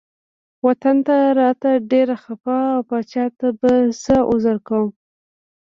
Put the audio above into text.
وطن ته راته ډیر خپه و پاچا ته به څه عذر کوم.